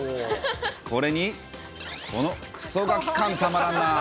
これにこのクソガキ感たまらんなあ。